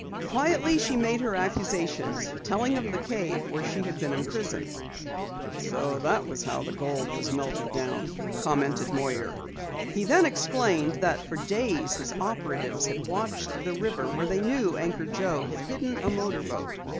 Quietly she made her accusations, telling of the cave where she had been imprisoned. "So that was how the gold was melted down," commented Moyer. He then explained that for days his operatives had watched the river where they knew Anchor Joe had hidden a motorboat.